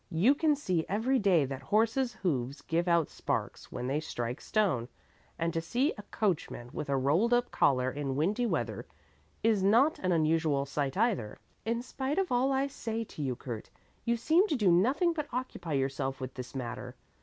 You can see every day that horses' hoofs give out sparks when they strike stone, and to see a coachman with a rolled up collar in windy weather is not an unusual sight either. In spite of all I say to you, Kurt, you seem to do nothing but occupy yourself with this matter.